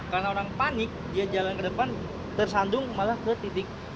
karena orang panik dia jalan ke depan tersandung malah ke titik